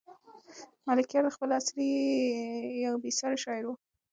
ملکیار د خپل عصر یو بې ساری شاعر و.